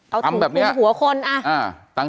เอาถูกคุมหัวคนเอ้า